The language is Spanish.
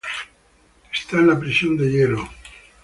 Está en la prisión de hielo.